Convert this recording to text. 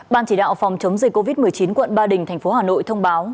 ban chỉ đạo phòng chống dây covid một mươi chín quận ba đình tp hà nội thông báo